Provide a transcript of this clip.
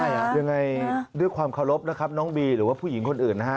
ยังไงอ่ะยังไงด้วยความเคารพนะครับน้องบีหรือว่าผู้หญิงคนอื่นนะฮะ